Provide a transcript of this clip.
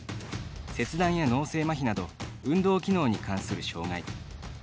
切断や脳性まひなど運動機能に関する障がい。